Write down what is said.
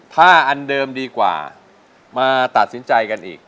ถ้าอันเดิมดีกว่ามาตัดสินใจกันอีก